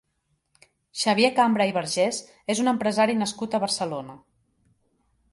Xavier Cambra i Vergés és un empresari nascut a Barcelona.